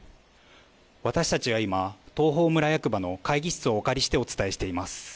私たちは今、東峰村役場の会議室をお借りしてお伝えしています。